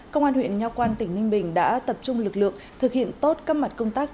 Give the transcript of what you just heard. công an huyện nho quan tỉnh ninh bình đã tập trung lực lượng thực hiện tốt các mặt công tác